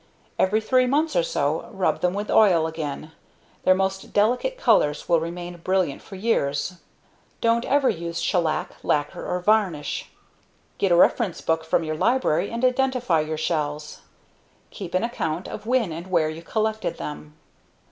Every three months or so, rub them with oil again their most delicate colors will remain brilliant for years. Don't ever use shellac, lacquer or varnish. Get a reference book from your library and identify your shells. Keep an account of when and where you collected them.